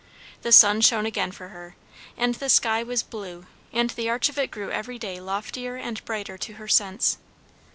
The sun shone again for her, and the sky was blue, and the arch of it grew every day loftier and brighter to her sense.